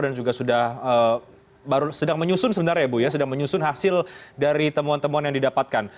dan juga sudah baru sedang menyusun sebenarnya bu ya sedang menyusun hasil dari temuan temuan yang didapatkan